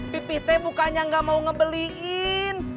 pipih teh bukannya gak mau ngebeliin